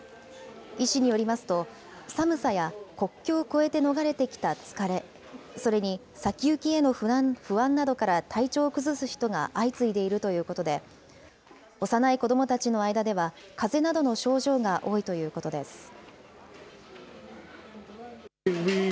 医師によりますと、寒さや国境を越えて逃れてきた疲れ、それに先行きへの不安などから体調を崩す人が相次いでいるということで、幼い子どもたちの間では、かぜなどの症状が多いということです。